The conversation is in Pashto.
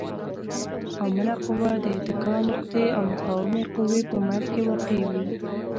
عامله قوه د اتکا نقطې او مقاومې قوې په منځ کې واقع وي.